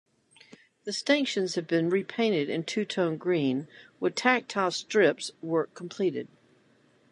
The stanchions have been repainted in two-tone green with tactile strips work completed.